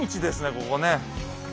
ここね。